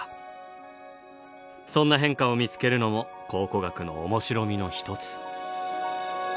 そんな変化を見つけるのも考古学の面白みの一つ。